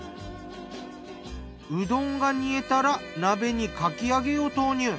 うどんが煮えたら鍋にかき揚げを投入。